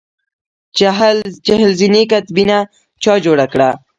چهل زینې کتیبه چا جوړه کړه؟